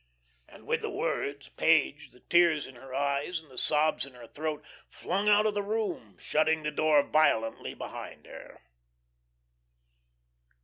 And with the words, Page, the tears in her eyes and the sobs in her throat, flung out of the room, shutting the door violently behind her.